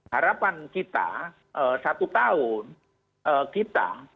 harapan kita satu tahun kita